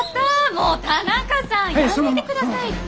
もう田中さんやめてくださいって。